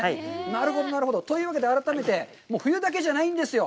なるほど、なるほど。というわけで改めて冬だけじゃないんですよ。